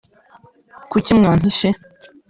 Kuki Mwampishe